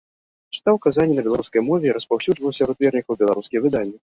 Чытаў казанні на беларускай мове і распаўсюджваў сярод вернікаў беларускія выданні.